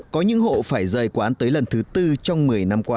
có những hộ phải rời quán tới lần thứ tư trong một mươi năm qua